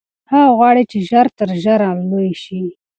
هغه غواړي چې ژر تر ژره لوی شي.